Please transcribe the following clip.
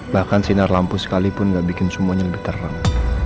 bahkan sinar lampu sekali pun gak bikin semuanya lebih terang